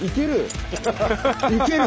いける？